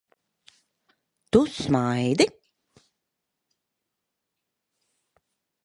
Tu smaidi?